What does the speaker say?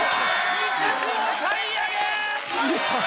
２着お買い上げ。